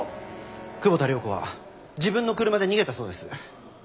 久保田涼子は自分の車で逃げたそうです。